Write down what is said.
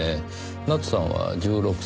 奈津さんは１６歳。